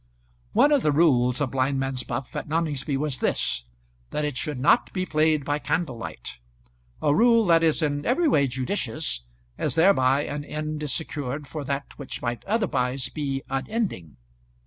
] One of the rules of blindman's buff at Noningsby was this, that it should not be played by candlelight, a rule that is in every way judicious, as thereby an end is secured for that which might otherwise be unending.